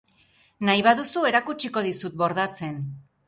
Nahi baduzu erakutsiko dizut bordatzen.